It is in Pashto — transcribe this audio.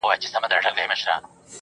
نامنطقي او ناعقلاني دی